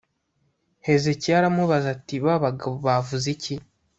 Hezekiya aramubaza ati Ba bagabo bavuze iki